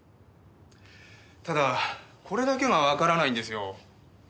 ただこれだけがわからないんですよ。